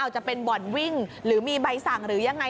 จะเป็นบ่อนวิ่งหรือมีใบสั่งหรือยังไง